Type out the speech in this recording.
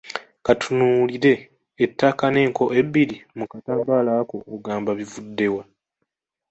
Katunuulire, ettaka n'ekko ebiri mu katambaala ako ogamba bivudde wa?